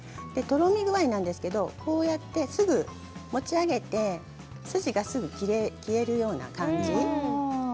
とろみ具合なんですけどこうやって、すぐに持ち上げて筋がすぐ消えるような感じ。